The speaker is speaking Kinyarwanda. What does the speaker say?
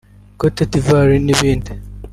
Cote d’Ivoire n’ibindi